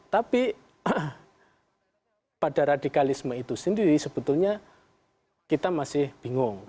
tapi pada radikalisme itu sendiri sebetulnya kita masih bingung